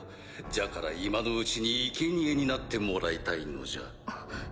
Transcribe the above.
じゃから今のうちにいけにえになってもらいたいのじゃ。